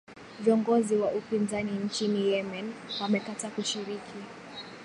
viongozi wa upinzani nchini yemen wamekataa kushiriki